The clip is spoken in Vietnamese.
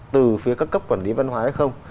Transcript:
từ phía các cấp quản lý văn hóa hay không